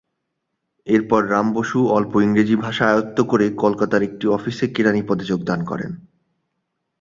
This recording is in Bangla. এরপর রাম বসু অল্প ইংরেজি ভাষা আয়ত্ত করে কলকাতার একটি অফিসে কেরানি পদে যোগদান করেন।